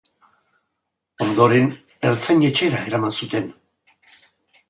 Ondoren, ertzain-etxera eraman zuten.